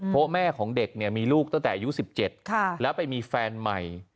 เพราะแม่ของเด็กเนี่ยมีลูกตั้งแต่อายุสิบเจ็ดค่ะแล้วไปมีแฟนใหม่